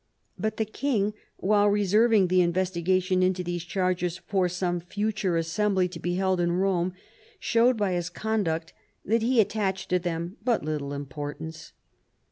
But the king, while reserv ing the investigation into these charges for some future assembly to be held in Rome, showed by his conduct that he attached to them but little import ance.